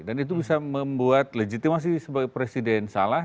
dan itu bisa membuat legitimasi sebagai presiden salah